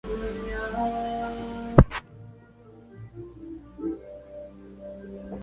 Ginette Reynal, volvió a ocupar el puesto de dueña del Bar.